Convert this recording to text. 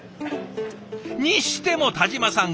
にしても田嶋さん